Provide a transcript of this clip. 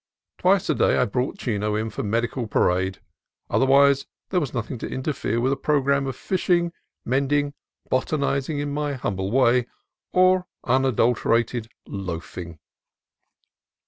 Twice a day I brought Chino in for medical parade ; otherwise there was nothing to interfere with a programme of fishing, mending, botanizing in my humble way, or unadulterated loafing.